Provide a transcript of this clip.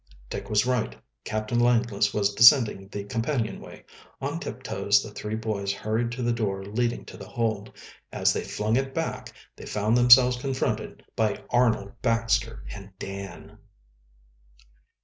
Dick was right; Captain Langless was descending the companion way. On tiptoes the three boys hurried to the door leading to the hold. As they flung it back they found themselves confronted by Arnold Baxter and Dan.